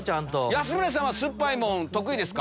安村さんは酸っぱいもの得意？